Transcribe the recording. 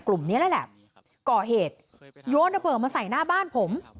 กลุ่มนี้เลยแหละก่อเหตุโยนระเบิดมาใส่หน้าบ้านผม